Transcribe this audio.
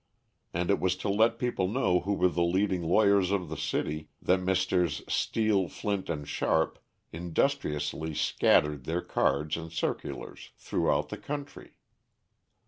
And it was to let people know who were the leading lawyers of the city, that Messrs. Steel, Flint & Sharp industriously scattered their cards and circulars throughout the country.